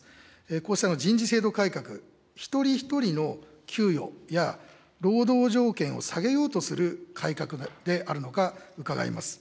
こうした人事制度改革、一人一人の給与や労働条件を下げようとする改革であるのか伺います。